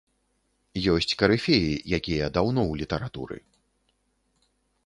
Ёсць карыфеі, якія даўно ў літаратуры.